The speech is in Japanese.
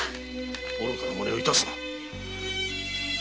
愚かなまねをいたすな！